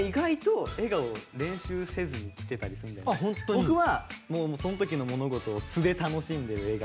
僕はその時の物事を素で楽しんでる笑顔。